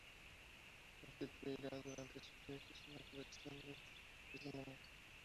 Constituiría durante sus viajes una colección de especímenes.